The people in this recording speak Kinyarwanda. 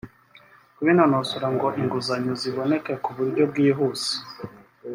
kubinonosora ngo inguzanyo ziboneke ku buryo bwihuse